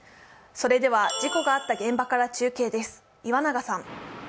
それでは事故があった現場から中継です。